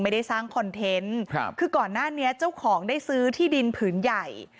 ไม่ได้สร้างคอนเทนต์ครับคือก่อนหน้านี้เจ้าของได้ซื้อที่ดินผืนใหญ่